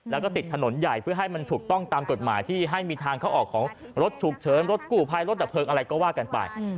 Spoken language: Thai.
แล้วก็ติดถนนใหญ่เพื่อให้มันถูกต้องตามกฎหมายที่ให้มีทางเข้าออกของรถฉุกเฉินรถกู้ภัยรถดับเพลิงอะไรก็ว่ากันไป